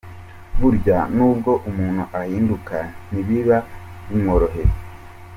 Burya nubwo umuntu ahinduka ntibiba bimworoheye.